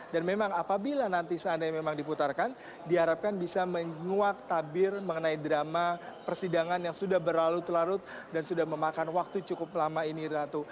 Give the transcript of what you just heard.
dan memang apabila nanti seandainya memang diputarkan diharapkan bisa menguak tabir mengenai drama persidangan yang sudah berlalu telarut dan sudah memakan waktu cukup lama ini ratu